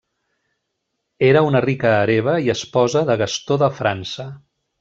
Era una rica hereva i esposa de Gastó de França.